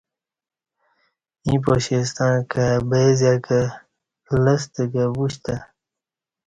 ایں پاشے ستݩع کای بہ ا زیہ کہ لستہ کہ وشتہ